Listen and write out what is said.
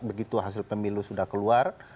begitu hasil pemilu sudah keluar